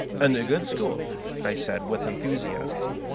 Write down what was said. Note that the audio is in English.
"And the good school," I said, with enthusiasm.